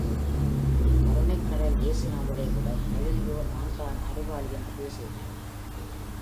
கருணைக்கடல் இயேசு நாதரை விட, கலீலியோ நான் தான் அறிவாளி என்று பேசுகிறார்!